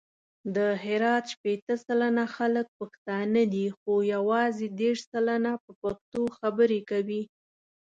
د هرات شپېته سلنه خلګ پښتانه دي، خو یوازې دېرش سلنه په پښتو خبري کوي.